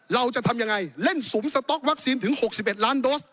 เราจะทำยังไงเล่นสุมสต๊อกวัคซีนถึง๖๑ล้านโดส